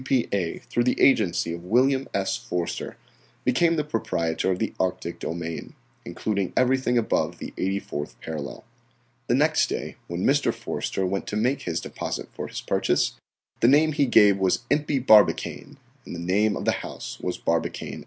P.P.A. through the agency of William S. Forster, became the proprietor of the Arctic domain, including everything above the eighty fourth parallel. The next day when Mr. Forster went to make his deposit for his purchase the name he gave was Impey Barbicane and the name of the house was Barbicane & Co.